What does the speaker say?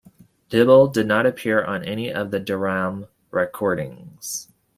Dyble did not appear on any of the Deram recordings.